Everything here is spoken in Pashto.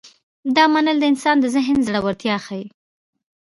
دا منل د انسان د ذهن زړورتیا ښيي.